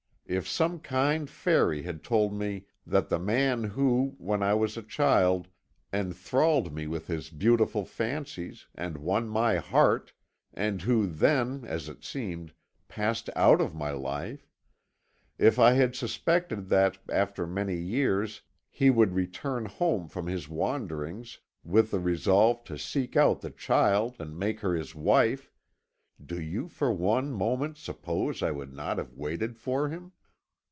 If some kind fairy had told me that the man who, when I was a child, enthralled me with his beautiful fancies, and won my heart, and who then, as it seemed, passed out of my life if I had suspected that, after many years, he would return home from his wanderings with the resolve to seek out the child and make her his wife, do you for one moment suppose I would not have waited for him?